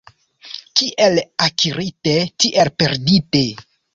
Kiel akirite, tiel perdite.